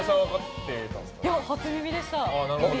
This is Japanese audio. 初耳でした。